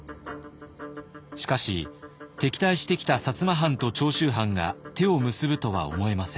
しかし敵対してきた摩藩と長州藩が手を結ぶとは思えません。